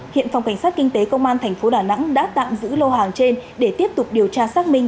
hiện phòng cảnh sát kinh tế công an tp đà nẵng đã tạm giữ lô hàng trên để tiếp tục điều tra xác minh